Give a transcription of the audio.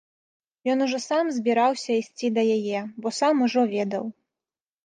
Ён ужо сам збіраўся ісці да яе, бо сам ужо ведаў.